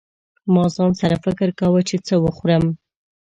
ما ځان سره فکر کاوه چې څه وخورم.